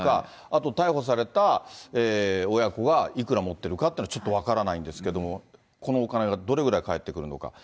あと逮捕された親子がいくら持ってるかっていうのは、ちょっと分からないんですけれども、このお金はどれぐらい返ってくるのか。